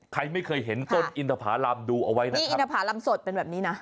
ใครไม่เคยเห็นต้นอินทภารำดูเอาไว้นะนี่อินทภารำสดเป็นแบบนี้นะ